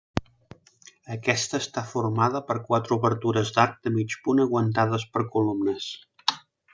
Aquesta està formada per quatre obertures d'arc de mig punt aguantades per columnes.